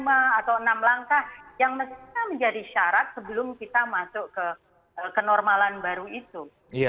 lima atau enam langkah yang mestinya menjadi syarat sebelum kita masuk ke kenormalan baru itu